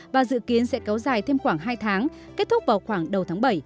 và dự kiến sẽ kéo dài thêm khoảng hai tháng kết thúc vào khoảng đầu tháng bảy